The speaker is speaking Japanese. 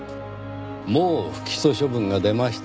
もう不起訴処分が出ましたか。